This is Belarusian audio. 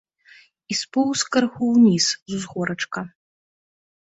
І споўз крыху ўніз з узгорачка.